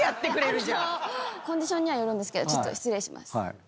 コンディションにはよるんですけどちょっと失礼します。